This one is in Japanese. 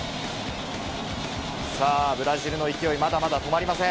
さあ、ブラジルの勢い、まだまだ止まりません。